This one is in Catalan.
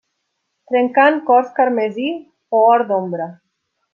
Trencant cors carmesí o or d'ombra.